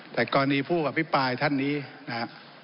แต่ก่อนนี้ผู้อภิปรายท่านนี้นะฮะ